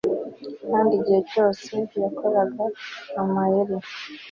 Kandi igihe cyose yakoraga amayeri